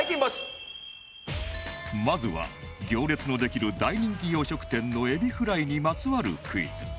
まずは行列のできる大人気洋食店のエビフライにまつわるクイズ